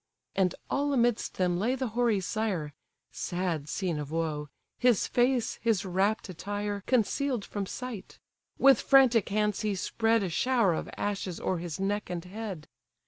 And all amidst them lay the hoary sire, (Sad scene of woe!) his face his wrapp'd attire Conceal'd from sight; with frantic hands he spread A shower of ashes o'er his neck and head.